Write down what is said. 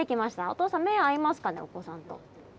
お父さん目合いますかねお子さんと。